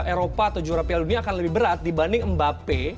eropa atau juara piala dunia akan lebih berat dibanding mbappe